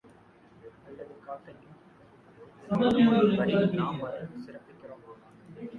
அல்லது, காக்கைக்கும் தன்குஞ்சு பொன்குஞ்சு என்ற பழமொழியின்படி நாம் அதைச் சிறப்பிக்கிறோமா என்பதை ஆராய வேண்டும்.